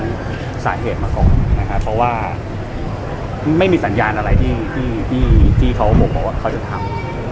มีสาเหตุมาก่อนเพราะว่าไม่มีสัญญาณอะไรที่เขาบอกว่าเขาจะทำ